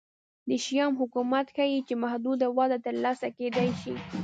د شیام حکومت ښيي چې محدوده وده ترلاسه کېدای شي